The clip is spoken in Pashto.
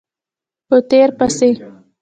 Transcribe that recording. په تېر پسې